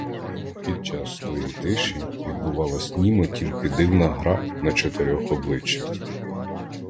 Під час тої тиші відбувалась німо тільки дивна гра на чотирьох обличчях.